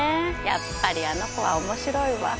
やっぱりあの子は面白いわ